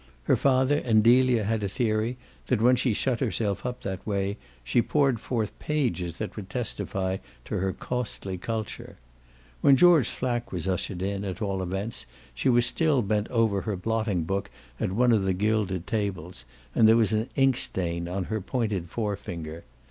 Her father and Delia had a theory that when she shut herself up that way she poured forth pages that would testify to her costly culture. When George Flack was ushered in at all events she was still bent over her blotting book at one of the gilded tables, and there was an inkstain on her pointed forefinger.